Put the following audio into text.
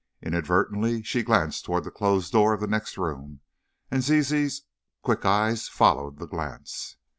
Inadvertently she glanced toward the closed door of the next room, and Zizi's quick eyes followed the glance.